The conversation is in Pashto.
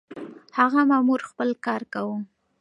هغه مامور خپل کار کاوه.